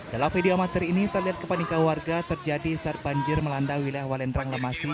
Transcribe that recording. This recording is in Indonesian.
dalam video amatir ini terlihat kepanikan warga terjadi saat banjir melanda wilayah walendrang lemasi